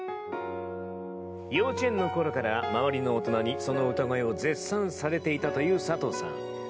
幼稚園の頃から周りの大人にその歌声を絶賛されていたという佐藤さん。